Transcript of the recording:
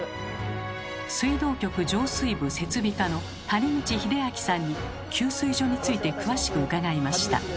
水道局浄水部設備課の谷口秀昭さんに給水所について詳しく伺いました。